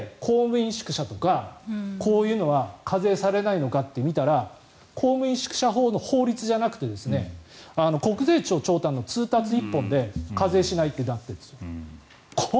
なんで公務員宿舎とかこういうのは課税されないのかと見たら公務員宿舎法の法律じゃなくて国税庁通達の一本で課税しないってなってるんですよ。